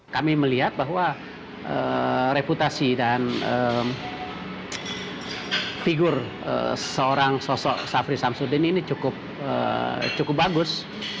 kami melihat bahwa reputasi dan figur seorang sosok safri samsuddin ini cukup bagus